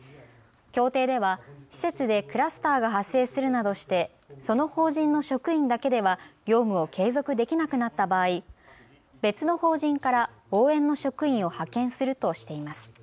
協定では施設でクラスターが発生するなどして、その法人の職員だけでは業務を継続できなくなった場合別の法人から応援の職員を派遣するとしています。